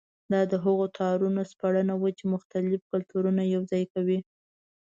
دا د هغو تارونو سپړنه وه چې مختلف کلتورونه یوځای کوي.